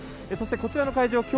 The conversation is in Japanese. そして、こちらの会場